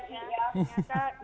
tapi dengan pandemi ini